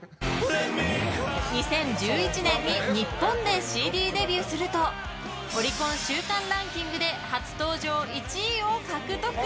２０１１年に日本でＣＤデビューするとオリコン週間ランキングで初登場１位を獲得。